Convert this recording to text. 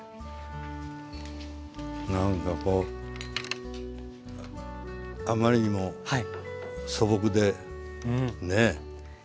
なんかこうあまりにも素朴でねえ？